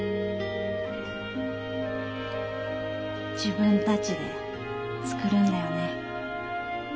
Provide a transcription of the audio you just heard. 自分たちでつくるんだよね。